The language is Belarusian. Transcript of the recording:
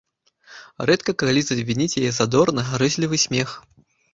Рэдка калі зазвініць яе задорны, гарэзлівы смех.